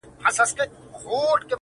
دونه لا نه یم لیونی هوښیاروې مي ولې!!